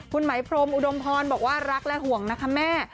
คุณไหมพรมอุดมพรบอกว่ารักและห่วงนะคะแม่